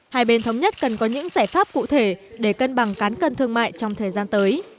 hai bên thống nhất cần có những giải pháp cụ thể để cân bằng cán cân thương mại trong thời gian tới